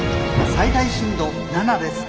「最大震度７です。